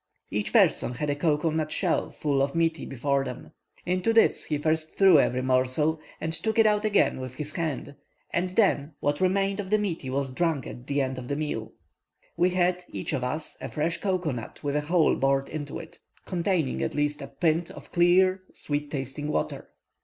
Each person had a cocoa nut shell full of miti before him; into this he first threw every morsel and took it out again with his hand, and then what remained of the miti was drunk at the end of the meal. We had each of us a fresh cocoa nut with a hole bored in it, containing at least a pint of clear, sweet tasting water.